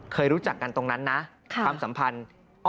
เคยรู้จักกันตรงนั้นนะความสัมพันธ์